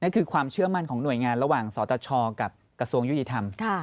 คือความเชื่อมั่นของหน่วยงานระหว่างสตชกับกระทรวงยุติธรรม